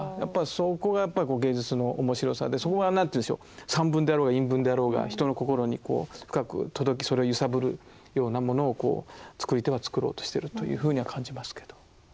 そこがやっぱり芸術の面白さでそこが何て言うんでしょう散文であろうが韻文であろうが人の心にこう深く届きそれを揺さぶるようなものを作り手は作ろうとしてるというふうには感じますけど。